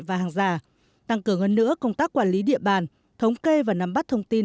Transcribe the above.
và hàng giả tăng cường hơn nữa công tác quản lý địa bàn thống kê và nắm bắt thông tin